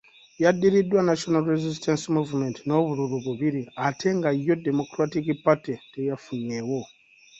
Yaddiridwa National Resistance Movement n’obululu bubiri ate nga yo Democratic Party teyafunyeewo.